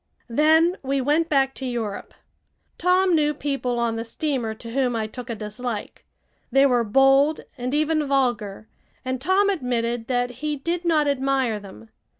Then we went back to Europe. Tom knew people on the steamer to whom I took a dislike. They were bold and even vulgar, and Tom admitted that he did not admire them.